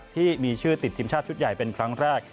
ที่มีชื่อติดทีมชาติชุดใหญ่เป็นครั้งแรก